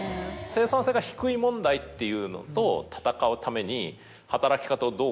生産性が低い問題っていうのと闘うために。